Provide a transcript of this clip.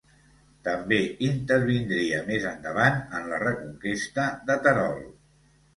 També intervindria més endavant en la reconquesta de Terol.